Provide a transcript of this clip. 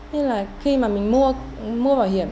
nên là khi mà mình mua bảo hiểm